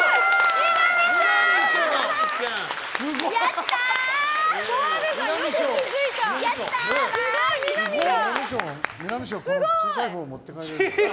南賞で、じゃあ小さいほうを持って帰れる。